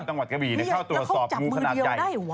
ตั้งวัดกะบีเนี่ยเข้าตรวจสอบงูขนาดใหญ่